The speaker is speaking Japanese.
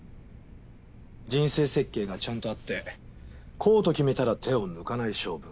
人生設計がちゃんとあってこうと決めたら手を抜かない性分。